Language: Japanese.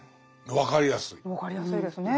分かりやすいですね。